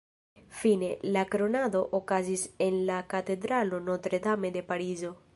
Fine, la kronado okazis la en la katedralo Notre-Dame de Parizo.